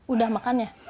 udah makan ya